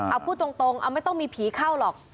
เอาพูดตรงไม่ต้องมีผีเข้าหรอก